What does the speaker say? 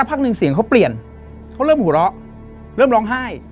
พักหนึ่งเสียงเขาเปลี่ยนเขาเริ่มหัวเราะเริ่มร้องไห้